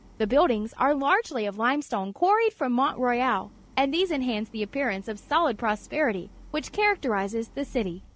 The buildings are largely' of limestone (juarried from Mount Royal, and these enhance the appearance of sohd prosperity which characterizes the city.